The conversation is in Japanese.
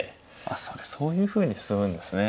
それそういうふうに進むんですね。